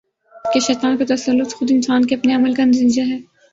کہ شیطان کا تسلط خود انسان کے اپنے عمل کا نتیجہ ہے